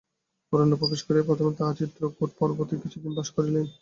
অরণ্যে প্রবেশ করিয়া প্রথমে তাঁহারা চিত্রকূট পর্বতে কিছুদিন বাস করিলেন।